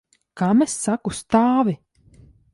Kam es saku? Stāvi!